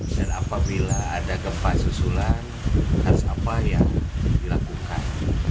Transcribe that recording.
dan apabila ada gempa susulan harus apa ya dilakukan